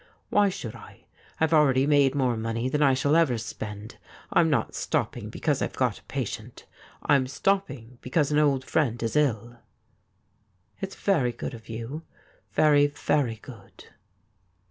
Why should I ? I've already made more money than I shall ever spend. I'm not stopping because I've got a patient. I'm stopping because an old friend is ill.' ' It's very good of you — very, very good.'